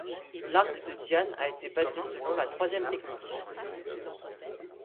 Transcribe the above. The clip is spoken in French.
L'Arc de Diane a été bâti selon la troisième technique.